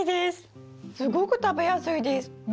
すごく食べやすいです。